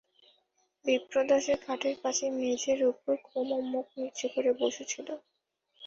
বিপ্রদাসের খাটের পাশেই মেজের উপর কুমু মুখ নিচু করে বসে ছিল।